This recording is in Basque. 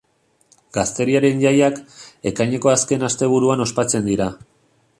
Gazteriaren jaiak, ekaineko azken asteburuan ospatzen dira.